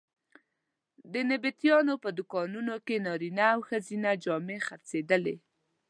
د نبطیانو په دوکانونو کې نارینه او ښځینه جامې خرڅېدلې.